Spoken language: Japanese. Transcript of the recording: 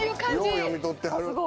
よう読み取ってはる。